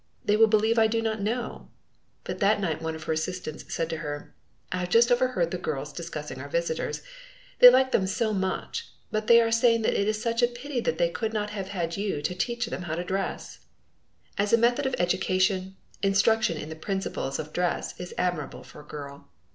"They will believe I do not know." But that night one of her assistants said to her: "I have just overheard the girls discussing our visitors. They liked them so much, but they are saying that it is such a pity that they could not have had you to teach them how to dress." As a method of education, instruction in the principles of dress is admirable for a girl.